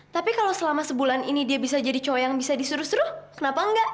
tapi kalau selama sebulan ini dia bisa jadi coyang bisa disuruh suruh kenapa enggak